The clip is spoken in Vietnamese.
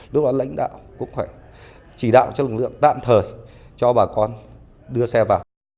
đó là lãnh đạo quốc hội chỉ đạo cho lực lượng tạm thời cho bà con đưa xe vào